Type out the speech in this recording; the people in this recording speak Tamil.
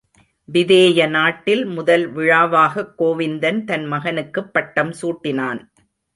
விதேய நாட்டில் முதல் விழாவாகக் கோவிந்தன் தன் மகனுக்குப் பட்டம் சூட்டினான்.